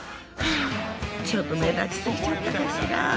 ちょっと目立ちすぎちゃったかしら？